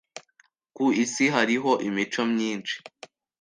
Ku isi hariho imico myinshi.